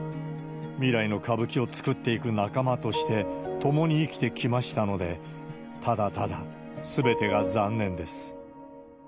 未来の歌舞伎を作っていく仲間として共に生きてきましたので、ただただすべてが残念です。